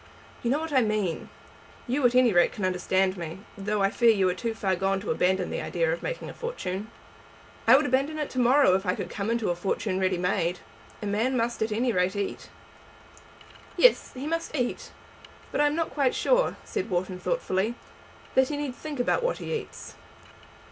"You know what I mean. You at any rate can understand me, though I fear you are too far gone to abandon the idea of making a fortune." "I would abandon it to morrow if I could come into a fortune ready made. A man must at any rate eat." "Yes; he must eat. But I am not quite sure," said Wharton thoughtfully, "that he need think about what he eats."